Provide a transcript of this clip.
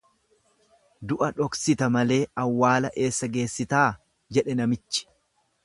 Du'a dhoksita malee, awwaala eessa geessitaa? Jedhe namichi.